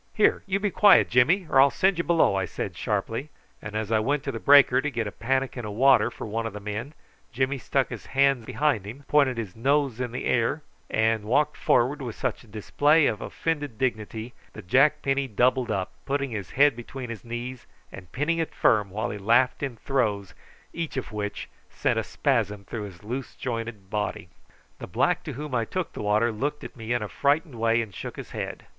"Here, you be quiet, Jimmy, or I'll send you below," I said sharply; and as I went to the breaker to get a pannikin of water for one of the men, Jimmy stuck his hands behind him, pointed his nose in the air, and walked forward with such a display of offended dignity that Jack Penny doubled up, putting his head between his knees and pinning it firm, while he laughed in throes, each of which sent a spasm through his loose jointed body. The black to whom I took the water looked at me in a frightened way, and shook his head.